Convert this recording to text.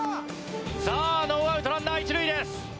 さあノーアウトランナー一塁です。